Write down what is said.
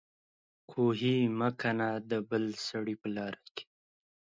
کوهي مه کنه د بل سړي په لار کې